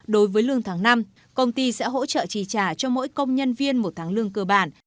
đối với lương tháng năm công ty sẽ hỗ trợ trì trả cho mỗi công nhân viên một tháng lương cơ bản